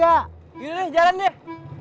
yaudah jalan deh